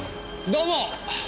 どうも！